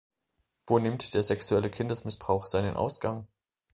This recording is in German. Wo nimmt der sexuelle Kindesmissbrauch seinen Ausgang?